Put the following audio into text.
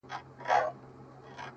• د شګو بند اوبه وړي ,